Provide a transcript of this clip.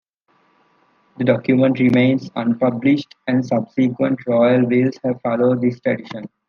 The document remains unpublished, and subsequent royal wills have followed this tradition.